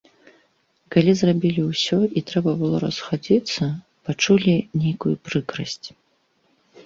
Калі зрабілі ўсё і трэба было расхадзіцца, пачулі нейкую прыкрасць.